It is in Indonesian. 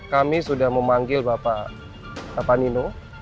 kami sudah memanggil bapak nino